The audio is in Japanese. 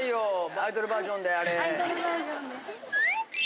アイドルバージョンで。